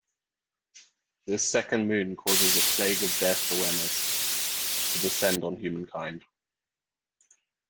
This second moon causes a "plague of death awareness" to descend on humankind.